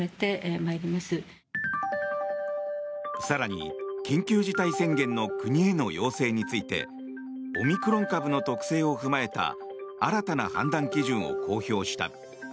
更に、緊急事態宣言の国への要請についてオミクロン株の特性を踏まえた新たな判断基準を公表した。